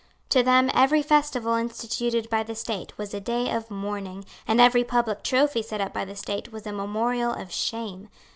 To them every festival instituted by the State was a day of mourning, and every public trophy set up by the State was a memorial of shame.